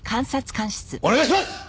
お願いします！